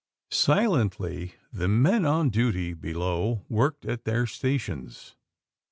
SHjENTLY the men on duty below worked at their stations.